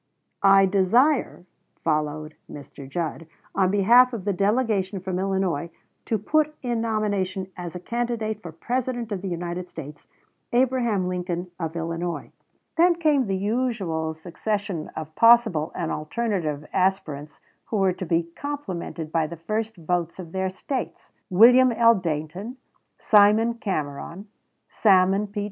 "I desire," followed Mr. Judd, "on behalf of the delegation from Illinois, to put in nomination as a candidate for President of the United States, Abraham Lincoln of Illinois." Then came the usual succession of possible and alternative aspirants who were to be complimented by the first votes of their States "William L. Dayton, Simon Cameron, Salmon P.